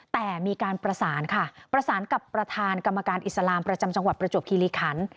แต่มีการประสานค่ะประสานกับประธานกรรมการอิสลามประจำจังหวัดประจวบคิริคัน